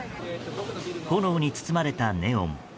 炎に包まれたネオン。